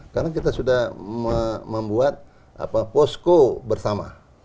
karena kita sudah membuat posko bersama